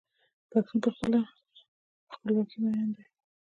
پښتون په خپله خپلواکۍ مین دی.